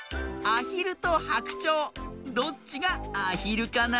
アヒルとハクチョウどっちがアヒルかな？